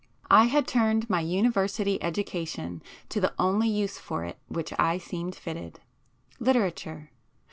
I had turned my University education to the only use for which it or I seemed fitted,—literature.